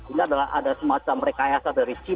ini adalah ada semacam rekayasa dari china